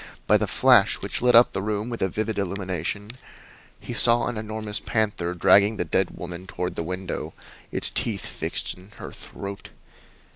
By the flash which lit up the room with a vivid illumination, he saw an enormous panther dragging the dead woman toward the window, its teeth fixed in her throat!